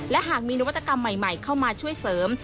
และหากมีนวัตกรรมใหม่เข้ามาช่วยเสริม